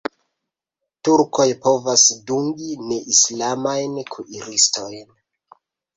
Turkoj povas dungi neislamajn kuiristojn.